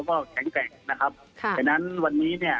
อันนี้พีซิโกมีมุมมอยอย่างไรครับเกี่ยวกับเรื่องของคาพยนตร์เรื่องนี้ครับ